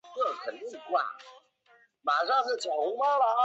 成员在此基础上组建政党宪友会。